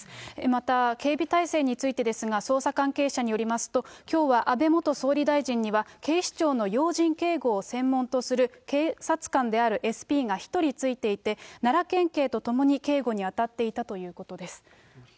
また警備態勢についてですが、捜査関係者によりますと、きょうは安倍元総理大臣には、警視庁の要人警護を専門とする警察官であるＳＰが１人ついていて、奈良県警と共に警護に当たっていたということです。